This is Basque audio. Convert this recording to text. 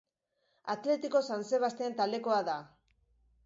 Atletico San Sebastian taldekoa da.